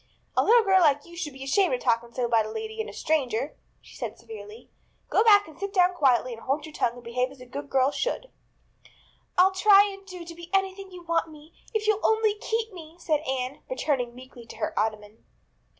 "A little girl like you should be ashamed of talking so about a lady and a stranger," she said severely. "Go back and sit down quietly and hold your tongue and behave as a good girl should." "I'll try to do and be anything you want me, if you'll only keep me," said Anne, returning meekly to her ottoman.